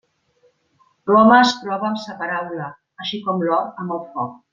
L'home es prova amb sa paraula, així com l'or amb el foc.